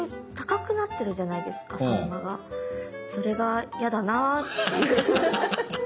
それが嫌だなっていう。